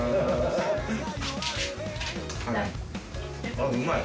あっうまい。